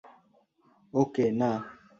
ওকে, না।